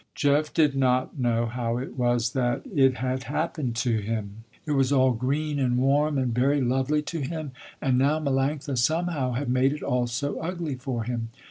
Jeff did not know how it was that it had happened to him. It was all green, and warm, and very lovely to him, and now Melanctha somehow had made it all so ugly for him.